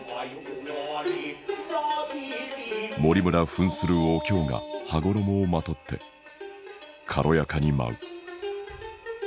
森村ふんするお京が羽衣をまとって軽やかに舞う。